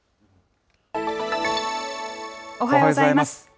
おはようございます。